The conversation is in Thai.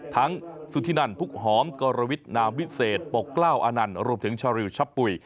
สุธินันพุกหอมกรวิทนามวิเศษปกกล้าวอานันต์รวมถึงชาริวชะปุ๋ย